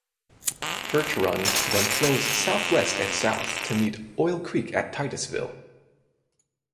Church Run then flows southwest and south to meet Oil Creek at Titusville.